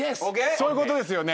そういうことですよね。